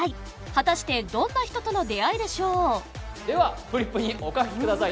果たしてどんな人との出会いでしょうではフリップにお書きください